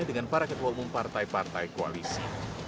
dengan para ketua umum partai partai koalisi